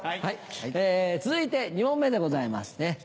え続いて２問目でございますね。